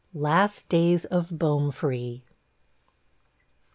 LAST DAYS OF BOMEFREE.